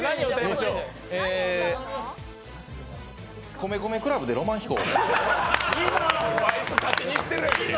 米米ＣＬＵＢで「浪漫飛行」。